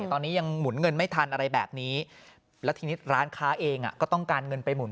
ตอนนี้ยังหมุนเงินไม่ทันอะไรแบบนี้แล้วทีนี้ร้านค้าเองก็ต้องการเงินไปหมุน